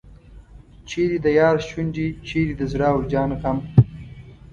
چیرې د یار شونډې چیرې د زړه او جان غم.